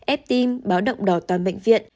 ép tim báo động đỏ toàn bệnh viện